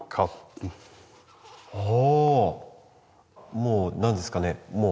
もう何ですかね